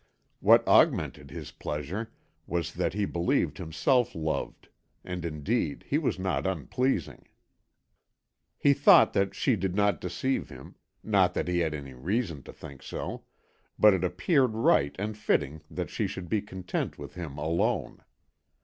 What augmented his pleasure was that he believed himself loved, and indeed he was not unpleasing. He thought that she did not deceive him, not that he had any reason to think so, but it appeared right and fitting that she should be content with him alone.